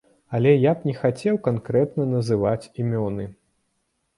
Але я б не хацеў канкрэтна называць імёны.